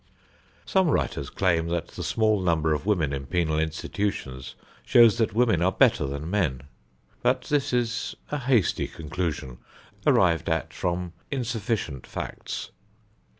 Some writers claim that the small number of women in penal institutions shows that women are better than men; but this is a hasty conclusion arrived at from insufficient facts.